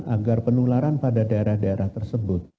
agar penularan pada daerah daerah tersebut